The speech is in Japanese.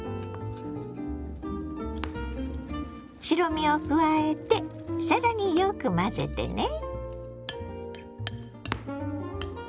白身を加えて更によく混ぜてね。